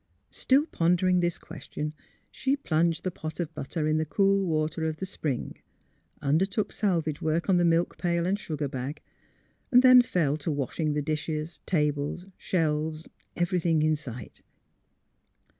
Still pondering this question she plunged the pot of butter in the cool water of the spring ; undertook salvage work on the milk pail and sugar bag ; then fell to wash ing the dishes, tables, shelves — everything in sight.